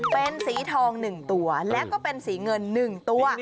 เป็นสีทอง๑ตัวแล้วก็เป็นสีเงิน๑ตัว